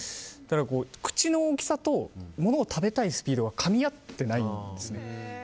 口の大きさとものを食べたいスピードがかみ合ってないんですね。